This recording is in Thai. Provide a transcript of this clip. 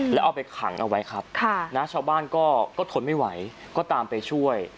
แล้วเอาไปขังเอาไว้ครับชาวบ้านก็ทนไม่ไหวก็ตามไปช่วย